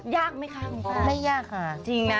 ยากไหมคะคุณป้าไม่ยากค่ะจริงนะ